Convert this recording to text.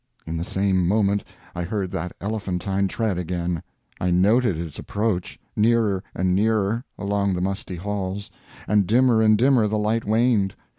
In the same moment I heard that elephantine tread again. I noted its approach, nearer and nearer, along the musty halls, and dimmer and dimmer the light waned.